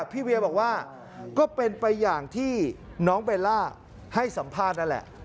พี่เวียบอกว่าก็เป็นไปอย่างที่น้องเบลล่าให้สัมภาษณ์นั่นแหละ